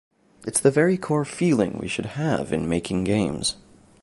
It's the very core feeling we should have in making games.